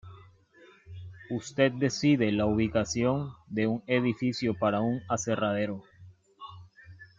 Usted decide la ubicación de un edificio para un aserradero.